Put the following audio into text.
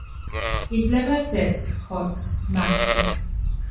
იძლევა რძეს, ხორცს, მატყლს.